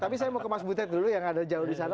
tapi saya mau ke mas butet dulu yang ada jauh di sana